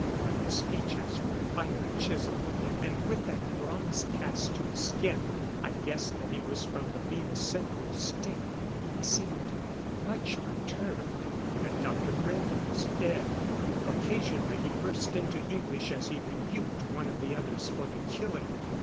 But his features were finely chiseled; and with that bronze cast to his skin, I guessed that he was from the Venus Central State. He seemed much perturbed that Dr. Brende was dead. Occasionally he burst into English as he rebuked one of the others for the killing.